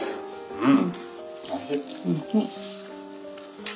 うん？